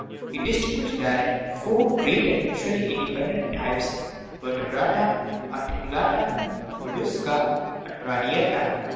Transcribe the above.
He distinguished therein four great and mutually independent types : Vertebrata, Ar ticulata, Mollusca, and Radiata.